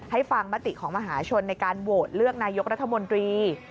ให้ฟังมติของมหาชนในการโหวตเลือกนายกรัฐมนตรี